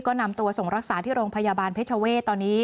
ก็นำตัวส่งรักษาที่โรงพยาบาลเพชรเวศตอนนี้